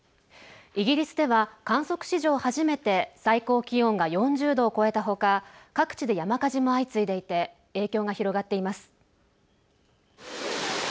イギリスでは観測史上、初めて最高気温が４０度を超えたほか各地で山火事も相次いでいて影響が広がっています。